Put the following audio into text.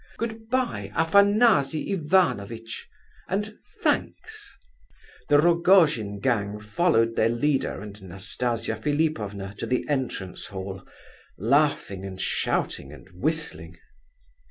Goodbye, Afanasy Ivanovitch—and thanks!" The Rogojin gang followed their leader and Nastasia Philipovna to the entrance hall, laughing and shouting and whistling.